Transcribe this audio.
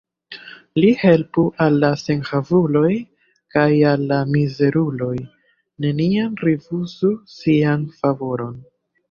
Li helpu al la senhavuloj, kaj al la mizeruloj neniam rifuzu sian favoron.